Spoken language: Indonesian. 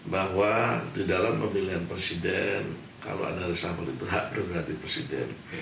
bahwa di dalam pemilihan presiden kalau ada resah melintuh hak berhati presiden